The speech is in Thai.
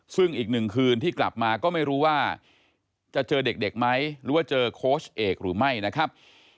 ซึ่งอีกหนึ่งคืนที่กลับมาก็ไม่รู้ว่าจะเจอเด็กไหมหรือว่าเจอโค้ชเอกหรือไม่นะครับ